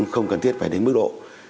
không cần thiết phải đến mức độ